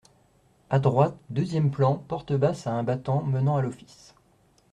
A droite, deuxième plan, porte basse à un battant menant à l’office.